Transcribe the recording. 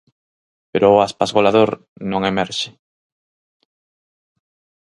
Pero o Aspas goleador non emerxe.